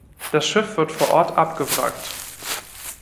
Das Schiff wird vor Ort abgewrackt.